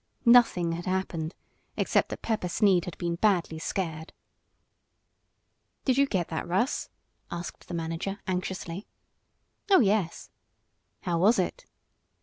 Nothing had happened except that Pepper Sneed had been badly scared. "Did you get that, Russ?" asked the manager, anxiously. "Oh, yes." "How was it?"